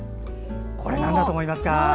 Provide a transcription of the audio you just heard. これ、なんだと思いますか？